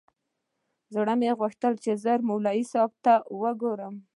زړه مې غوښتل چې ژر مولوي صاحب وگورم.